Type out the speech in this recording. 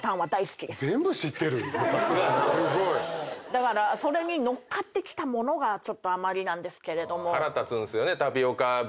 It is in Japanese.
だからそれに乗っかってきた物がちょっとあまりなんですけれど。